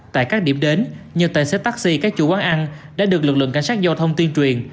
tại các điểm đến như tài xế taxi các chủ quán ăn đã được lực lượng cảnh sát giao thông tuyên truyền